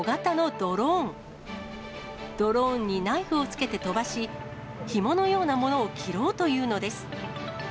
ドローンにナイフをつけて飛ばし、ひものようなものを切ろうというのです。